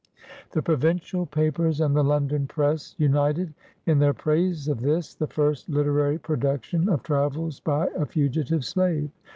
;; The Provincial papers and the London press united in their praise of this, the first literary production of travels by a fugitive slave.